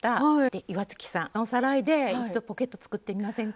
岩槻さんおさらいで一度ポケット作ってみませんか？